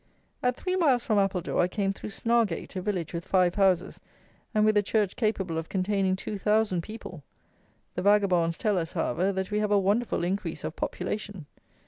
At three miles from Appledore I came through Snargate, a village with five houses, and with a church capable of containing two thousand people! The vagabonds tell us, however, that we have a wonderful increase of population!